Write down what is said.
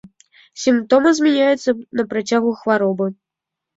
Сімптомы змяняюцца на працягу хваробы.